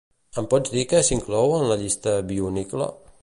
Em pots dir què s'inclou en la llista "Bionicle"?